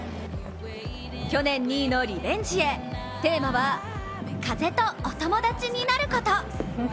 去年２位のリベンジへ、テーマは風とお友達になること。